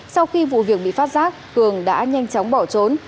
sau khi vụ việc bị phát giác cường đã nhanh chóng bỏ trốn